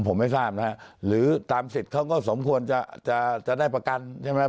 ผมไม่ทราบนะฮะหรือตามสิทธิ์เขาก็สมควรจะจะได้ประกันใช่ไหม